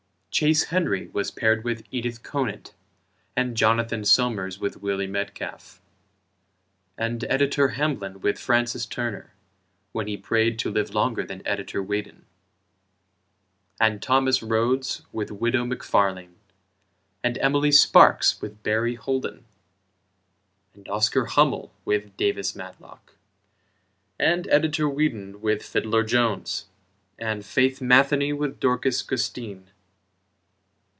Chase Henry was paired with Edith Conant; And Jonathan Somers with Willie Metcalf; And Editor Hamblin with Francis Turner, When he prayed to live longer than Editor Whedon, And Thomas Rhodes with widow McFarlane; And Emily Sparks with Barry Holden; And Oscar Hummel with Davis Matlock; And Editor Whedon with Fiddler Jones; And Faith Matheny with Dorcas Gustine.